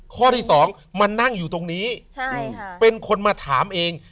ข้อที่สองมานั่งอยู่ตรงนี้เป็นคนมาถามเอง